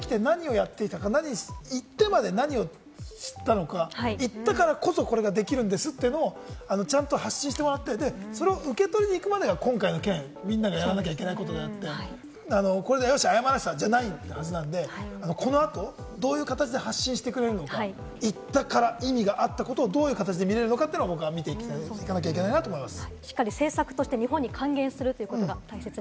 これはそもそも行ってきて何をやっていたか、行ってまで何をしたのか、行ったからこそ、これができるんですということをちゃんと発信してもらって、それを受け取りに行くまでが今回のみんながやらなきゃいけないことであって、謝らせたじゃないんで、この後、どういう形で発信してくれるのか、行ったから意味があったことをどういう形で見られるのかというのを見ていかなきゃいけないなと思います。